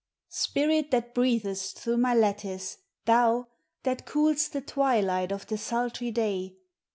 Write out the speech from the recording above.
Spirit that breathest through my lattice: thoi That cool'st the twilight of the sultry day!